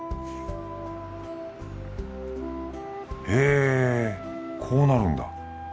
へこうなるんだ。